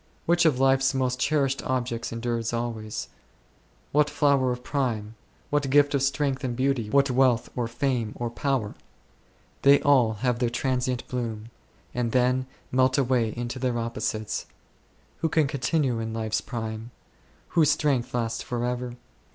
Which of life's most cherished objects endures always ? What flower of prime ? What gift of strength and beauty ? What wealth, or fame, or power ? They all have their transient bloom, and then melt away into their opposites. Who can continue in life's prime? Whose strength lasts for ever?